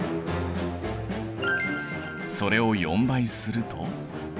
それを４倍すると。